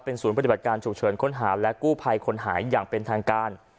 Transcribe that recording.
ศูนย์ปฏิบัติการฉุกเฉินค้นหาและกู้ภัยคนหายอย่างเป็นทางการ